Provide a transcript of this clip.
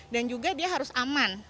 dan juga dia harus aman